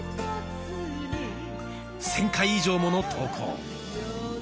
１，０００回以上もの投稿。